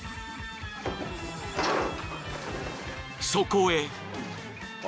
［そこへ］